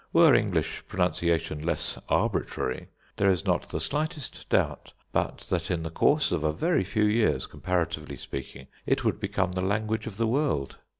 Were English pronunciation less arbitrary, there is not the slightest doubt but that in the course of a very few years, comparatively speaking, it would become the language of the world.